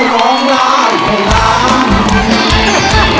ร้องได้ให้ร้าน